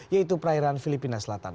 yaitu perairan filipina selatan